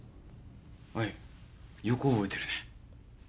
あいよく覚えてるね。